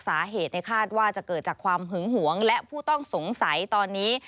สาเหตุในคาดว่าจะเกิดจากความหึงหวงและผู้ต้องสงสัยตอนนี้